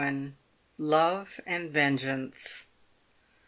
LOVE AND VENGEANCE.